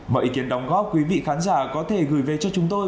mọi ý kiến đóng góp quý vị khán giả có thể gửi về cho chúng tôi